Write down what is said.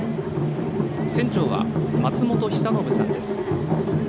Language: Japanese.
船長は松本久進さんです。